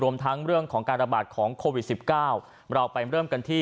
ทั้งเรื่องของการระบาดของโควิด๑๙เราไปเริ่มกันที่